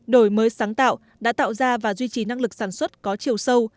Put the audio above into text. đổi mới sáng tạo đã tạo ra và duy trì năng lực sản xuất có chiều sâu